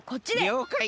りょうかい。